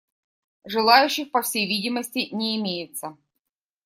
Желающих, по всей видимости, не имеется.